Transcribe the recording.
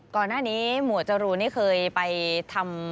ก่อนหน้านี้หมวดจรูลเคยไปทำ